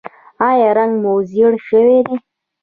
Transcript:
ایا رنګ مو ژیړ شوی دی؟